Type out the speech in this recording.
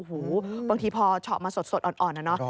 อู๋บางทีพอชอบมาสดอ่อนน่ะ